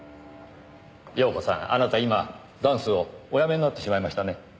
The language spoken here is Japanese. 遥子さんあなた今ダンスをおやめになってしまいましたね。